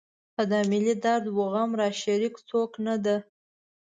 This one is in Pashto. په دا ملي درد و غم راشریک څوک نه ده.